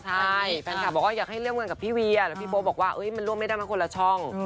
ใช่แฟนคลับบอกว่าอยากให้ร่วมงานกับพี่เวียแล้วพี่โป๊บอกว่ามันร่วมไม่ได้มันคนละช่อง